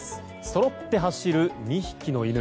そろって走る２匹の犬。